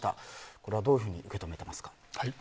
これはどういうふうに受け止めていますか？